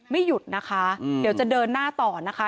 ไม่หยุดนะคะเดี๋ยวจะเดินหน้าต่อนะคะ